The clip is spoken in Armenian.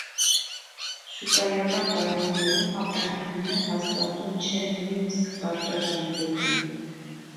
Շուկայական պայմաններում ապրանքի գինը հաստատուն չէ նույնիսկ կարճաժամկետում։